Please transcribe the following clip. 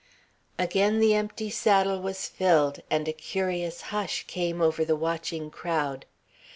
Again the empty saddle was filled, and a curious hush came over the watching crowd.